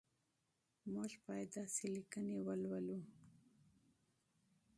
موږ باید داسې لیکنې ولولو.